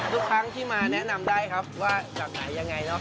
ทุกครั้งที่มาแนะนำได้ครับว่าจากไหนยังไงเนาะ